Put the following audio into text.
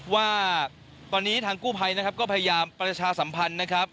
ว่าตอนนี้ทางกู้ภัยนะครับก็พยายามประชาสัมพันธ์นะครับ